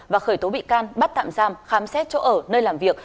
và khởi tố bị can bắt tạm giam khám xét chỗ ở nơi làm việc